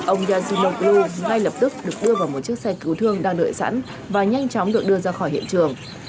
ông yazuno ku ngay lập tức được đưa vào một chiếc xe cứu thương đang đợi sẵn và nhanh chóng được đưa ra khỏi hiện trường